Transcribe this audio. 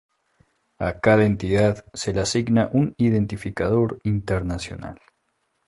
A cada entidad se le asigna un identificador internacional.